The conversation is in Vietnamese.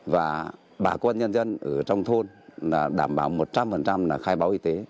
và bà quân nhân dân ở trong thôn đảm bảo một trăm linh khai báo y tế